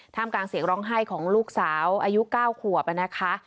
กลางเสียงร้องไห้ของลูกสาวอายุ๙ขวบนะคะ